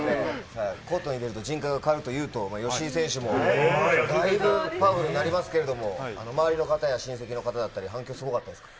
コートに出ると人格が変わるというと、吉井選手もだいぶパワフルになりますけれども、周りの方や親戚の方だったりは、反響すごかったですか。